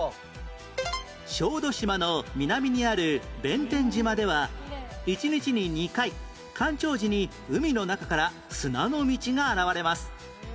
小豆島の南にある弁天島では１日に２回干潮時に海の中から砂の道が現れます